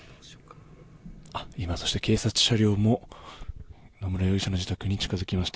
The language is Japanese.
今、警察車両も野村容疑者の自宅に近づきました。